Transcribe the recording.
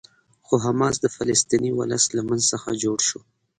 خو حماس د فلسطیني ولس له منځ څخه جوړ شو.